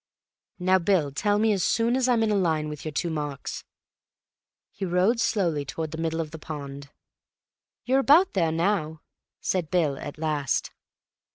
"Now, Bill, tell me as soon as I'm in a line with your two marks." He rowed slowly towards the middle of the pond. "You're about there now," said Bill at last.